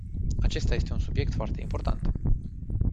Acesta este un subiect foarte important.